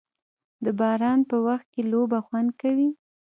د باران په وخت کې لوبه خوند کوي.